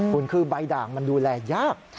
คุณคือใบด่างมันดูแลยาก